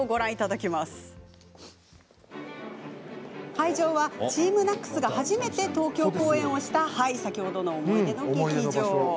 会場はＴＥＡＭＮＡＣＳが初めて東京公演をした思い出の劇場。